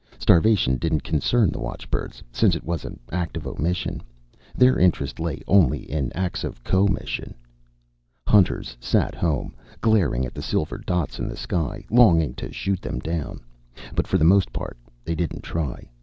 Starvation didn't concern the watchbirds, since it was an act of omission. Their interest lay only in acts of commission. Hunters sat home, glaring at the silver dots in the sky, longing to shoot them down. But for the most part, they didn't try.